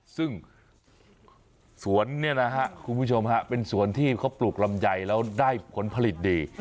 ซึ่งสวนเนี่ยนะฮะคุณผู้ชมฮะเป็นสวนที่เขาปลูกลำไยแล้วได้ผลผลิตดี